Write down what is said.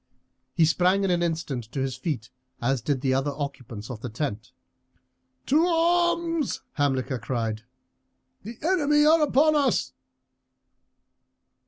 He sprang in an instant to his feet, as did the other occupants of the tent. "To arms!" Hamilcar cried; "the enemy are upon us."